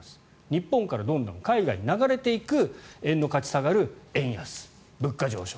日本からどんどん海外に流れていく円の価値が下がる円安、物価上昇。